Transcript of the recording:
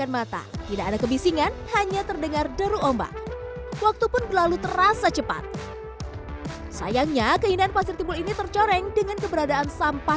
waktu pun berlalu terasa cepat sayangnya keindahan pasir timbul ini tercoreng dengan keberadaan sampah